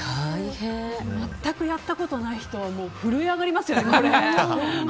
全くやったことない人は震え上がりますよね、これ。